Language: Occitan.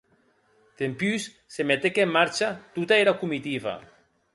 Dempús se metec en marcha tota era comitiva.